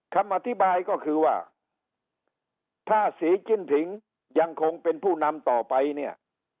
คำอธิบายก็คือว่าถ้าศรีจิ้นผิงยังคงเป็นผู้นำต่อไปเนี่ย